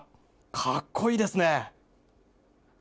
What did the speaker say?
かっこいいですね。